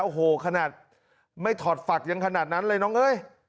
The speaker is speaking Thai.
โอ้โหขนาดไม่ถอดฝักยังขนาดนั้นเลยน้องเอ้ย